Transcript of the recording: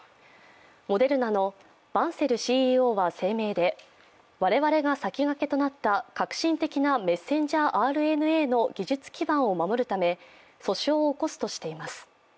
モデルナのバンセルＣＥＯは声明で我々が先駆けとなった革新的なメッセンジャーＲＮＡの技術基盤を守るため、訴訟を起こすとしています。